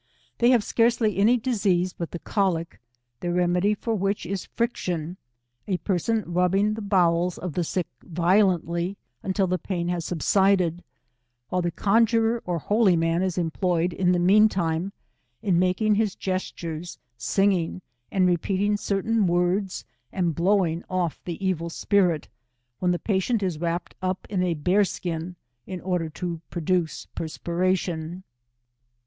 They have scarcely any disease but the cholic, their remedy for which is friction, a person rubbing the bowels of the sick violently, until the pain has subsided, while the conjuror, or holy man is employed, io the mean 1T5 ?>me, ^fl^iiifiat^iog his gestures, singing, and repeatiui^' certain vvo^s, a^ifW^WSg off the evil spirit, when the patient llPmpped up in a bear skiu, in order to produce [^rspiration.